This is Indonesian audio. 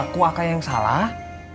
maka aku akan yang salah